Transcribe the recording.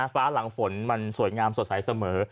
หลังฝนมันสวยงามสดใสเสมอ